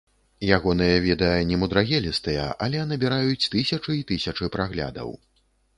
Ягоныя відэа немудрагелістыя, але набіраюць тысячы і тысячы праглядаў.